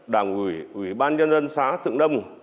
đảng ủy ủy ban nhân dân xã thượng nông